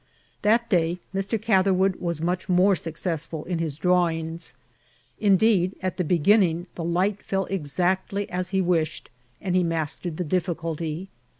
That day Mr. Catherwood was much more success ful in his drawings ; indeed, at the beginning the light fell exactly as he wished, and he mastered the difficulty.